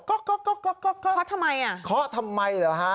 เข้าทำไมอ่ะเข้าทำไมเหรอฮะ